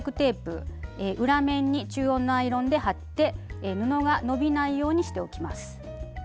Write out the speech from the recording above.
裏面に中温のアイロンで貼って布が伸びないようにしておきます。